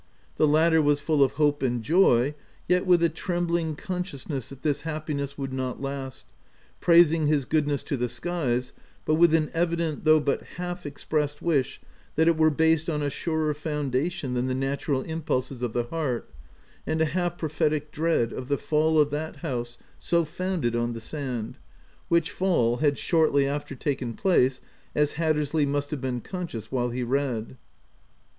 The latter was full of hope and joy, yet with a trembling consciousness that this happiness would not last ; praising his good ness to the skies, but with an evident, though but half expressed wish that it were based on a surer foundation than the natural impulses of the heart, and a half prophetic dread of the fall of that house so founded on the sand, — which fall had shortly after taken place, as Hattersley must have been conscious while he read.